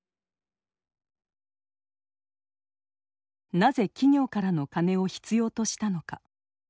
なぜ企業からのカネを必要としたのか。